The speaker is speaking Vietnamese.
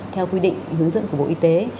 theo quy định hướng dẫn của bộ y tế